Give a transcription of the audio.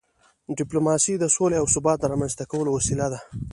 ډیپلوماسي د سولې او ثبات د رامنځته کولو وسیله ده.